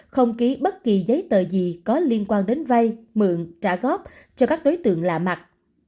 không ký bất kỳ giấy tờ gì có liên quan đến vay mượn trả góp cho các đối tượng lạ mặt